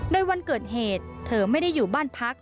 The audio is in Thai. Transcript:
โดยวันเกิดเหตุเธอไม่ได้อยู่บ้านพัก